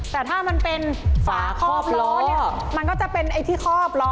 แต่ถ้ามันเป็นฝาคอบล้อเนี่ยมันก็จะเป็นไอ้ที่คอบล้อ